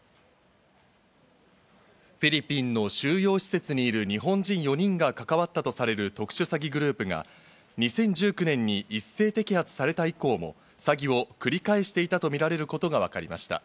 フィリピンの収容施設にいる日本人４人が関わったとされる特殊詐欺グループが２０１９年に一斉摘発された以降も詐欺を繰り返していたとみられることが分かりました。